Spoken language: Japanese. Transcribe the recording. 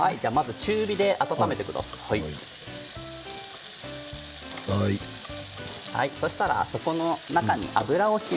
中火で温めてください。